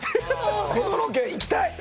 このロケ行きたい！